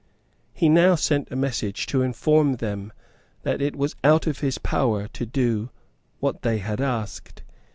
He now sent a message to inform them that it was out of his power to do what they had asked.